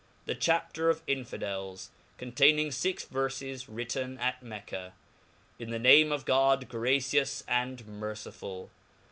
The Chapter of Infidels , contMnm,^ fix Verfes , Written m TN the name of God, gracious and merciful.